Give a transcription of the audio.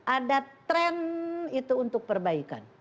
ada tren itu untuk perbaikan